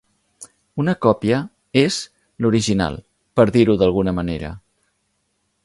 Una còpia "és" l'original, per dir-ho d'alguna manera.